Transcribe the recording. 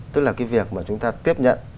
tức là cái việc mà chúng ta tiếp nhận